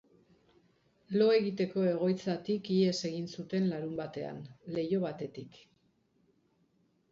Lo egiteko egoitzatik ihes egin zuten larunbatdean, leiho batetik.